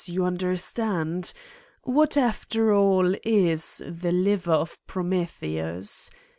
You understand f What after all, is the liver of Prometheus?